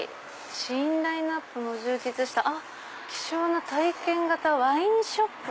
試飲ラインナップも充実した希少な体験型ワインショップ」。